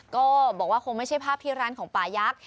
ก็บอกว่าคงไม่ใช่ภาพที่ร้านของป่ายักษ์